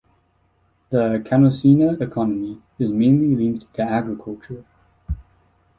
The Canosina economy is mainly linked to agriculture.